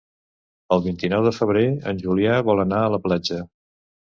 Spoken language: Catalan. El vint-i-nou de febrer en Julià vol anar a la platja.